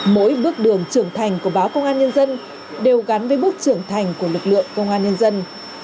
mỗi bước đường trưởng thành của báo công an nhân dân đều gắn với bước trưởng thành của lực lượng công an nhân dân